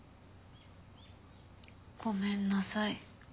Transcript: ごめんなさい。